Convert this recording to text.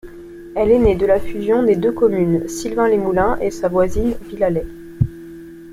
Elle est née de la fusion des deux communes Sylvains-les-Moulins et sa voisine Villalet.